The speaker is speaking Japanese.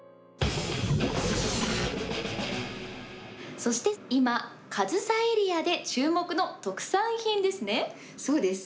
そして今、かずさエリアで注目の特産品ですね。